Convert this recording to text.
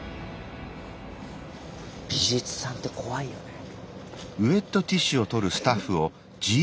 美術さんって怖いよね。